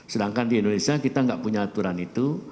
sedangkan di indonesia kita nggak punya aturan itu